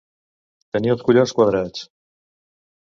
Tenir els collons quadrats.